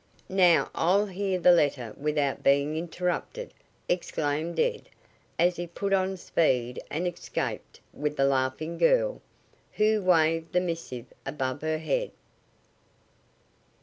"Now I'll hear the letter without being interrupted!" exclaimed Ed as he put on speed and escaped with the laughing girl, who waved the missive above her head.